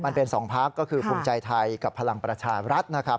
มันเป็น๒พักก็คือภูมิใจไทยกับพลังประชารัฐนะครับ